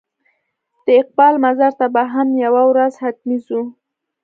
د اقبال مزار ته به هم یوه ورځ حتمي ځو.